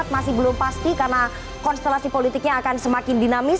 masih belum pasti karena konstelasi politiknya akan semakin dinamis